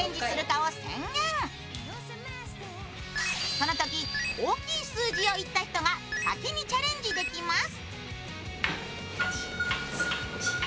このとき大きい数字を言った人が先にチャレンジでます。